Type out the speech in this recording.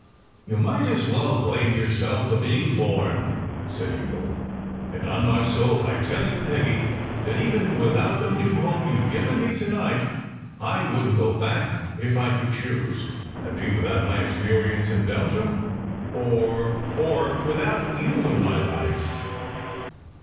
"You might as well blame yourself for being born," 308 SECRET HISTORY said Eagle; "and on my soul, I tell you, Peggy, that even without the new hope you ve given me to night, I wouldn t go back if I could choose, and be without my experience in Belgium, or or without you in my life."